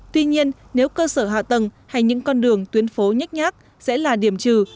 tuy nhiên nếu cơ sở hạ tầng hay những con đường tuyến phố nhách nhác sẽ là điểm trừ